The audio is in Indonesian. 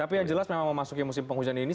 tapi yang jelas memang memasuki musim penghujan ini